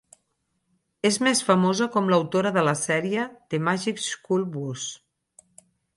És més famosa com l'autora de la sèrie "The Magic School Bus".